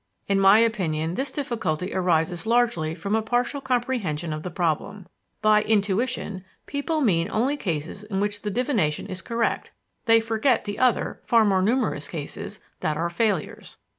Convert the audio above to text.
In my opinion this difficulty arises largely from a partial comprehension of the problem. By "intuition" people mean only cases in which the divination is correct; they forget the other, far more numerous, cases that are failures.